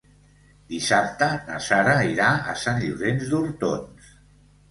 Dissabte na Sara irà a Sant Llorenç d'Hortons.